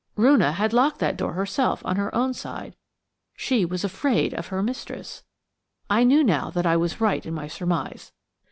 Roonah had locked that door herself on her own side–she was afraid of her mistress. I knew now that I was right in my surmise.